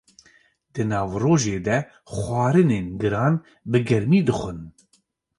Di navrojê de xwarinên giran, bi germî dixwin.